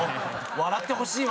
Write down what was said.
笑ってほしいわ。